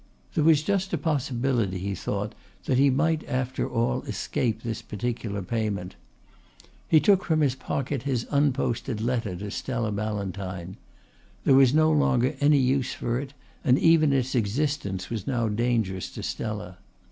There was just a possibility, he thought, that he might after all escape this particular payment. He took from his pocket his unposted letter to Stella Ballantyne. There was no longer any use for it and even its existence was now dangerous to Stella.